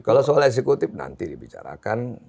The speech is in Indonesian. kalau soal eksekutif nanti dibicarakan